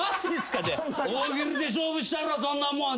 「大喜利で勝負したるわそんなもん！」